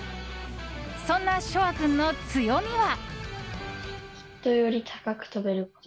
そんな翔海君の強みは。